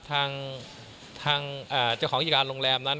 ทางเจ้าของกิจการโรงแรมนั้น